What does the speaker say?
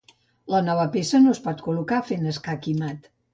La nova peça no es pot col·locar fent escac i mat.